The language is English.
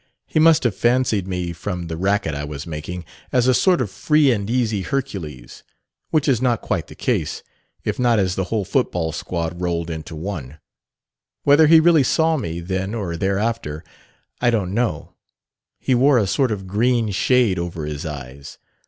He must have fancied me (from the racket I was making) as a sort of free and easy Hercules (which is not quite the case), if not as the whole football squad rolled into one. Whether he really saw me, then or thereafter, I don't know; he wore a sort of green shade over his eyes.